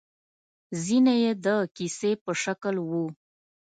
ځينې يې د کيسې په شکل وو.